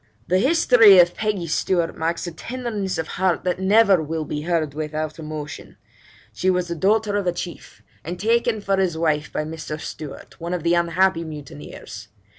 'The history of Peggy Stewart marks a tenderness of heart that never will be heard without emotion: she was the daughter of a chief, and taken for his wife by Mr. Stewart, one of the unhappy mutineers.